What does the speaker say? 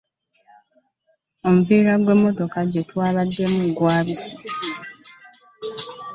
Omupiira gw'emmotoka gye twabademu gwayabise.